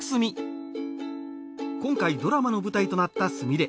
今回ドラマの舞台となったすみれ。